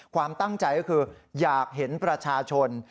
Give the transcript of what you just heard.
ความตั้งใจก็คืออยากเห็นประชาชน